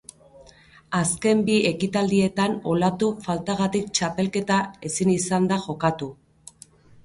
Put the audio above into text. Azken bi ekitaldietan olatu faltagatik txapelketa ezin izan da jokatu.